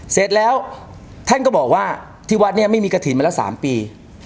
เสร็จแล้วท่านก็บอกว่าที่วัดเนี่ยไม่มีกระถิ่นมาแล้ว๓ปี